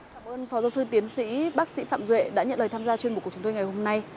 cảm ơn phó giáo sư tiến sĩ bác sĩ phạm duệ đã nhận lời tham gia chuyên mục của chúng tôi ngày hôm nay